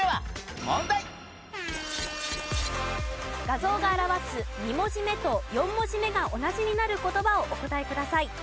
画像が表す２文字目と４文字目が同じになる言葉をお答えください。